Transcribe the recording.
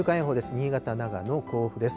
新潟、長野、甲府です。